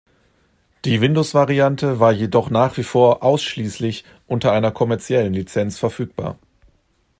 Die Windows-Variante war jedoch nach wie vor ausschließlich unter einer kommerziellen Lizenz verfügbar.